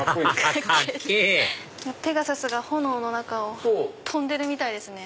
ペガサスが炎の中を飛んでるみたいですね。